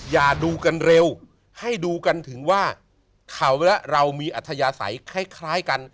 อย่าดูกันเร็วให้ดูกันถึงว่าเขาและเรามีอัธยาศัยคล้ายกัน